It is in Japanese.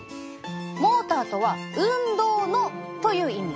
モーターとは「運動の」という意味。